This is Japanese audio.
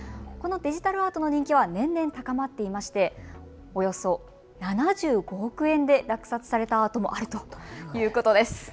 このデジタルアートの人気は年々、高まっていましておよそ７５億円で落札されたアートもあるということです。